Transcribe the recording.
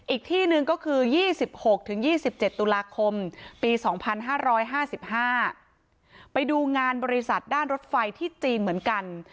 อีกที่หนึ่งก็คือ๒๖๒๗ตุลาคมปี๒๕๕๕ไปดูงานบริษัทด้านรถไฟที่จีนเหมือนกัน